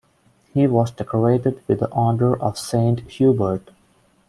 He was decorated with the Order of Saint Hubert.